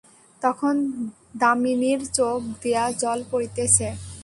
তখন দামিনীর চোখ দিয়া জল পড়িতেছে।